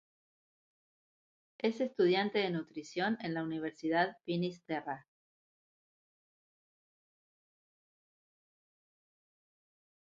Es estudiante de nutrición en la Universidad Finis Terrae.